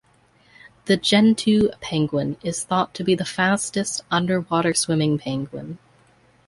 The Gentoo penguin is thought to be the fastest underwater-swimming penguin.